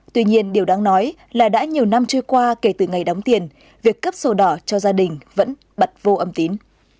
tuy nhiên điều đáng nói là đã nhiều năm trôi qua kể từ ngày đóng tiền việc cấp sổ đỏ cho gia đình vẫn bật vô âm tín